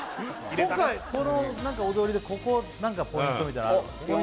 今回その何か踊りでここ何かポイントみたいなのあるわけ？